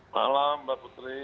malam mbak putri